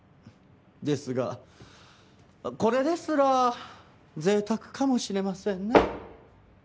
ですがこれですら贅沢かもしれませんね。